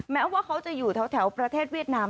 แม้ว่าเขาจะอยู่แถวประเทศเวียดนาม